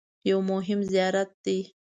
یو مهم زیارت دی.